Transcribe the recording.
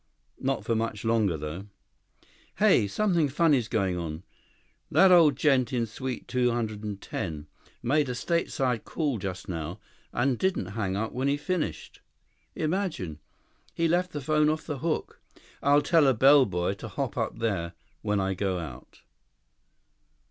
Not for much longer, though. Hey, something funny's going on. That old gent in suite 210. Made a stateside call just now and didn't hang up when he finished. Imagine! He left the phone off the hook. I'll tell a bellboy to hop up there when I go out."